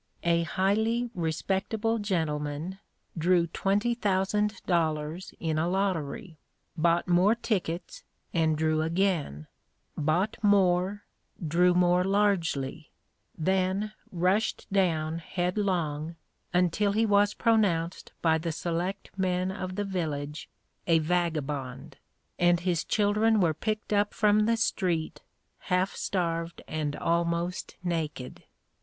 A highly respectable gentleman drew twenty thousand dollars in a lottery; bought more tickets, and drew again; bought more drew more largely; then rushed down headlong until he was pronounced by the select men of the village a vagabond, and his children were picked up from the street half starved and almost naked.